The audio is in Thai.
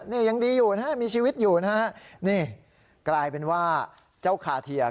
นี่ยังดีอยู่นะฮะมีชีวิตอยู่นะฮะนี่กลายเป็นว่าเจ้าคาเทีย